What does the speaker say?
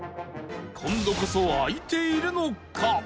今度こそ開いているのか？